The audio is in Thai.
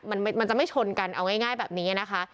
มันมันจะไม่ชนกันเอาง่ายแบบนี้นะคะ